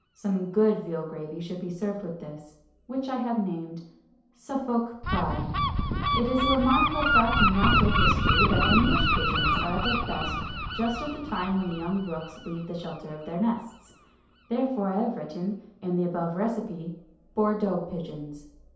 Some good veal gravy should be served with this, which I have named Suffolk Pride. It is a remarkable fact in natural history that English pigeons are at their best just at the time when the young rooks leave the shelter of their nests. Therefore have I written, in the above recipe, "Bordeaux" pigeons.